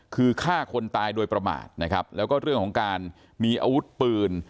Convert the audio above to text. คือฆ่าคนตายโดยประมาทนะครับแล้วก็เรื่องของการมีอาวุธปืน